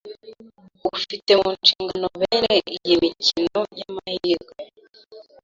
ufite mu nshingano bene iyi mikino y’amahirwe